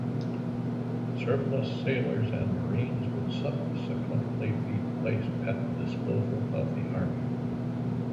Surplus sailors and marines would subsequently be placed at the disposal of the Army.